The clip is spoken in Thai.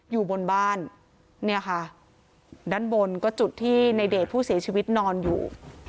อยู่บนบ้านเนี่ยค่ะด้านบนก็จุดที่ในเดชผู้เสียชีวิตนอนอยู่